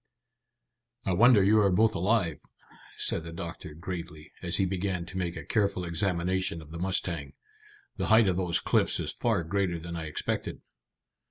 "I wonder you are both alive," said the doctor gravely, as he began to make a careful examination of the mustang. "The height of those cliffs is far greater than I expected."